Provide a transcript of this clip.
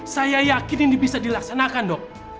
saya yakin ini bisa dilaksanakan dok